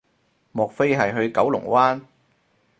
莫非係去九龍灣